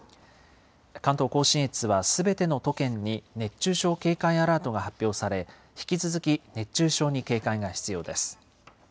関東甲信越は、すべての都県に熱中症警戒アラートが発表され、引き続き熱中症に警戒が必要です。